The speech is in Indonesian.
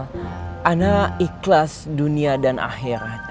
karena ikhlas dunia dan akhirat